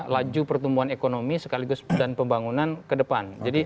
laju pertumbuhan ekonomi sekaligus dan pembangunan kedepan